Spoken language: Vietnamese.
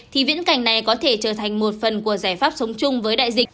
thì viễn cảnh này có thể trở thành một phần của giải pháp sống chung với đại dịch